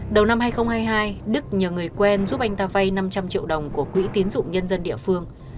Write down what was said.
đầu năm hai nghìn hai mươi hai đức nhờ người quen giúp anh ta vay năm trăm linh triệu đồng của quỹ tín dụng nhân dân địa phương